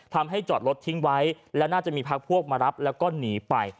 จอดรถทิ้งไว้และน่าจะมีพักพวกมารับแล้วก็หนีไป